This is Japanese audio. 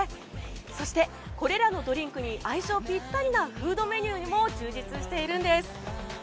そして、これらのドリンクに相性ピッタリなフードメニューも充実しているんです。